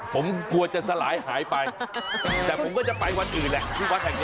ผมกลัวจะสลายหายไปแต่ผมก็จะไปวันอื่นแหละที่วัดแห่งนี้